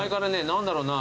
「何だろうな？